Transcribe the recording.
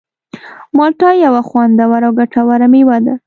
مالټه یوه خوندوره او ګټوره مېوه ده.